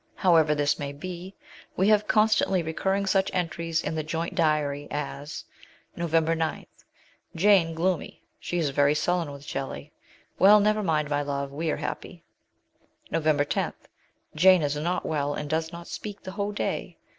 However this may be, we have constantly recurring such entries in the joint diary as: "Nov. 9. Jane gloomy; she is very sullen with Shelley. Well, never mind, my love, we are happy. Nov. 10. Jane is not well, and does not speak the whole day.